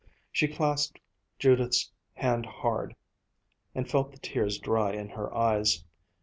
She clasped Judith's hand hard, and felt the tears dry in her eyes.